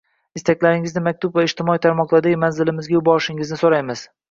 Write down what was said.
Istaklaringizni maktub va ijtimoiy tarmoqdagi manzilimizga yuborishingizni so‘raymiz.